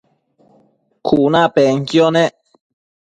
cunapenquio nec